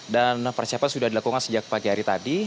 dan persiapan sudah dilakukan sejak pagi hari tadi